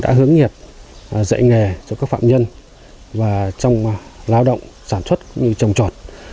đã hướng nghiệp dạy nghề cho các phạm nhân và trong lao động sản xuất cũng như trồng trọt